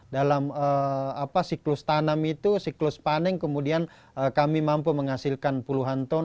dalam siklus tanam itu siklus panen kemudian kami mampu menghasilkan puluhan ton